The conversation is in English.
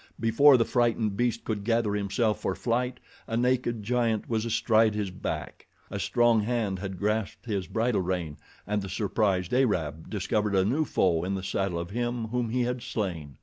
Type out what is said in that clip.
Before the frightened beast could gather himself for flight a naked giant was astride his back. A strong hand had grasped his bridle rein, and the surprised Arab discovered a new foe in the saddle of him, whom he had slain.